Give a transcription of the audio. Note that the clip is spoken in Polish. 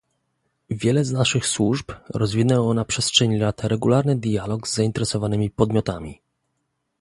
Wiele z naszych służb rozwinęło na przestrzeni lat regularny dialog z zainteresowanymi podmiotami